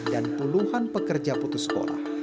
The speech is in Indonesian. dan puluhan pekerja putus sekolah